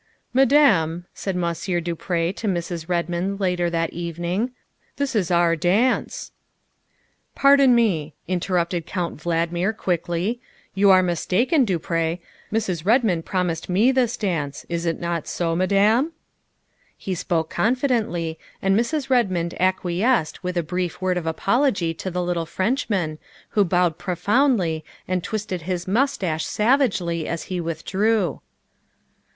" Madame," said Monsieur du Pre to Mrs. Redmond later in the evening, " this is our dance." 150 THE WIFE OF " Pardon me," interrupted Count Valdmir quickly, '' you are mistaken, du Pre ; Mrs. Redmond promised me this dance. Is it not so, Madame?" He spoke confidently, and Mrs. Redmond acquiesced with a brief word of apology to the little Frenchman, who bowed profoundly and twisted his mustache sav agely as he withdrew.